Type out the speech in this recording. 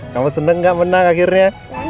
kamu seneng gak menang akhirnya